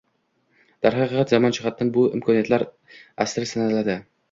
Darhaqiqat, zamon jihatdan, bu imkoniyatlar asri sanaladi